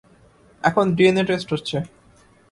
এখন DNA test হচ্ছে।